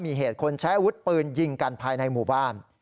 มีเหตุคนใช้อาวุธปืนยิงกันภายในหมู่บ้าน